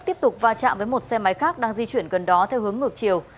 tiếp tục va chạm với một xe máy khác đang di chuyển gần đó theo hướng ngược chiều